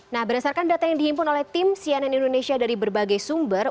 nah berdasarkan data yang dihimpun oleh tim cnn indonesia dari berbagai sumber